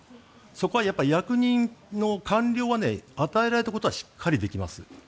そこは役人の官僚は与えられたことはしっかりできます。